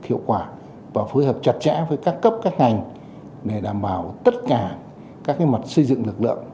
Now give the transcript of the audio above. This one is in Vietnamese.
hiệu quả và phối hợp chặt chẽ với các cấp các ngành để đảm bảo tất cả các mặt xây dựng lực lượng